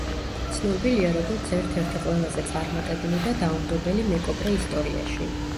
ცნობილია როგორც ერთ-ერთი ყველაზე წარმატებული და დაუნდობელი მეკობრე ისტორიაში.